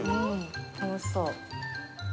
楽しそう。